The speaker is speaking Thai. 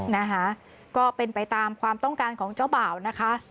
นะคะก็เป็นไปตามความต้องการของเจ้าบ่าวนะคะ